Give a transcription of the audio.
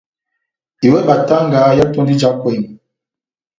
Wɛ batanga yá tondò ija ekwɛmi.